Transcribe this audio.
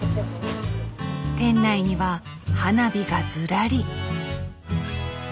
店内には花火がずらり。